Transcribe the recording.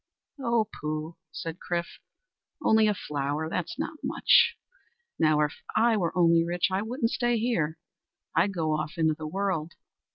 "O pooh!" said Chrif, "only a flower! That's not much. Now if I were only rich, I wouldn't stay here. I'd go off into the world.